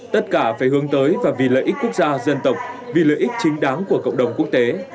tất cả phải hướng tới và vì lợi ích quốc gia dân tộc vì lợi ích chính đáng của cộng đồng quốc tế